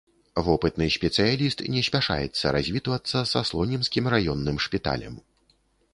Вопытны спецыяліст не спяшаецца развітвацца са слонімскім раённым шпіталем.